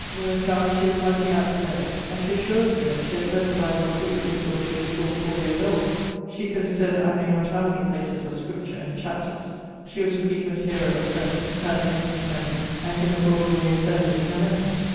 when a child she was mighty apt to learne, and she assures me that she had read the Bible thorough before she was full four yeares old; she could have sayd I know not how many places of Scripture and chapters. She was a frequent hearer of sermons; had an excellent memory and could have brought away a sermon in her memory.